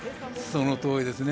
そのとおりですね。